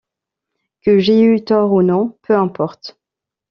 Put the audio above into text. Que j’aie eu tort ou non, peu importe.